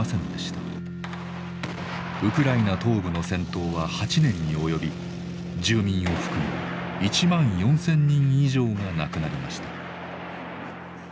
ウクライナ東部の戦闘は８年に及び住民を含む１万４，０００人以上が亡くなりました。